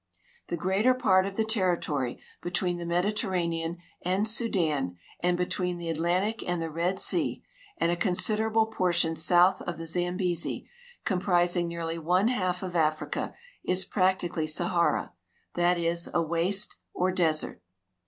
The greater part of the territory between the Mediterranean and Sudan and between the Atlantic and the Red sea, and a considerable portion south of the Zambesi, comprising nearly one half of Africa, is practically Sahara — that is, a waste or desert.